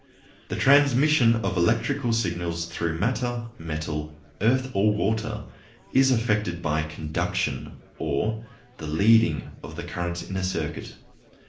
_] The transmission of electrical signals through matter, metal, earth, or water, is effected by conduction, or the leading of the currents in a circuit.